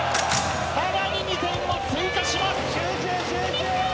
さらに２点を追加します。